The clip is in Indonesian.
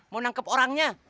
mau nangkep orangnya